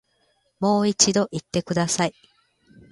もう一度言ってください